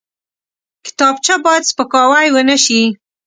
کتابچه باید سپکاوی ونه شي